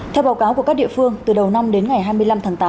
theo báo cáo của các địa phương từ đầu năm đến ngày hai mươi năm tháng tám